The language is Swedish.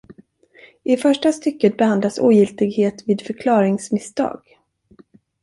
I första stycket behandlas ogiltighet vid förklaringsmisstag.